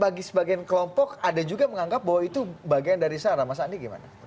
bagi sebagian kelompok ada juga yang menganggap bahwa itu bagian dari sarah mas andi gimana